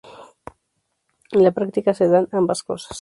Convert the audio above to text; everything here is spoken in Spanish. En la práctica se dan ambas cosas.